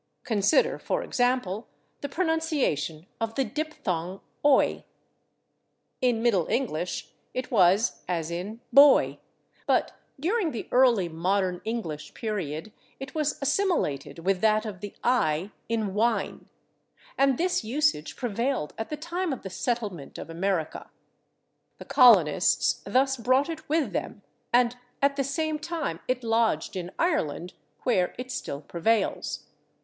Consider, for example, the pronunciation of the diphthong /oi/. In Middle English it was as in /boy/, but during the early Modern English period it was assimilated with that of the /i/ in /wine/, and this usage prevailed at the time of the settlement of America. The colonists thus brought it with them, and at the same time it lodged in Ireland, where it still prevails.